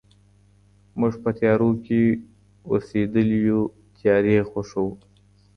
موږ په تيارو كي اوسېدلي يو تيارې خوښـوو